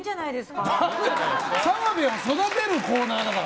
澤部を育てるコーナーだから！